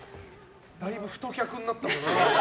だいぶ太客になったんだ。